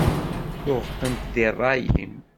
Tuɣeḍ-tent di rray-im.